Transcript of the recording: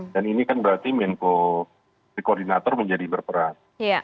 dan ini kan berarti menko koordinator menjadi berperan